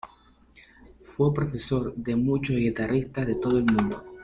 Fue profesor de muchos guitarristas de todo el mundo.